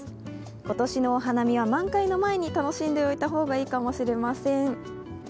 今年のお花見は満開の前に楽しんでおいた方がいいかもしれません。